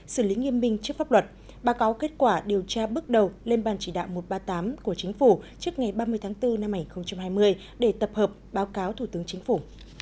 xử lý nghiêm minh trước pháp luật báo cáo kết quả điều tra bước đầu lên ban chỉ đạo một trăm ba mươi tám của chính phủ trước ngày ba mươi tháng bốn năm hai nghìn hai mươi để tập hợp báo cáo thủ tướng chính phủ